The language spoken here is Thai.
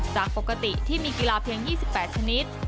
จากปกติที่มีกีฬาเพียง๒๘ชนิด